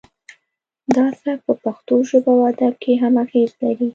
دا سبک په پښتو ژبه او ادب کې هم اغیز لري